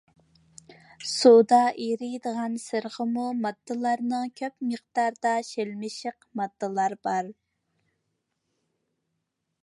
سۇدا ئېرىيدىغان سىرغىما ماددىلىرىنىڭ كۆپ مىقداردا شىلىمشىق ماددىلار بار.